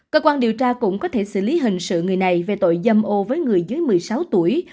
cơ quan điều tra cũng có thể xử lý hình sự người này về tội dâm ô với người dưới một mươi sáu tuổi